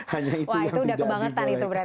hanya itu yang tidak boleh